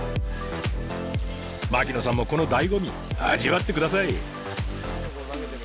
槙野さんもこの醍醐味味わって下さい。